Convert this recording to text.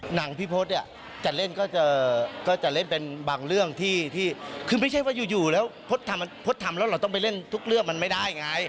หนังพี่พศเนี่ยจะเล่นก็จะเล่นเป็นบางเรื่องที่คือไม่ใช่ว่าอยู่แล้วพจน์ทำแล้วเราต้องไปเล่นทุกเรื่องมันไม่ได้ไง